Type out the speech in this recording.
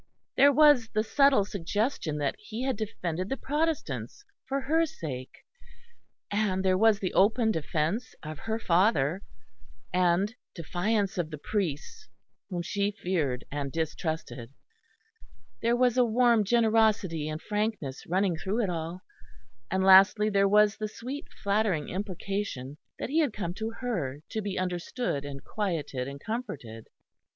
There was the subtle suggestion that he had defended the Protestants for her sake; and there was the open defence of her father, and defiance of the priests whom she feared and distrusted; there was a warm generosity and frankness running through it all; and lastly, there was the sweet flattering implication that he had come to her to be understood and quieted and comforted.